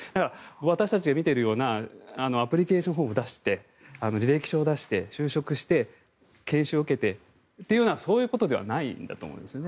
私たちが見ているようなアプリケーションフォームを出して履歴書を出して就職して研修を受けてというようなそういうことではないんだと思いますね。